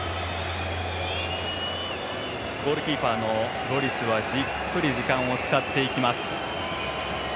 ゴールキーパーのロリスはじっくり時間を使っていきます。